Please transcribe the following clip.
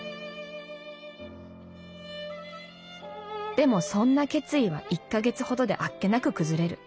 「でもそんな決意は１ヶ月ほどであっけなく崩れる。